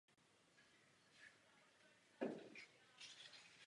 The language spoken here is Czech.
V současné době žije se svou druhou ženou a synem v severním Londýně.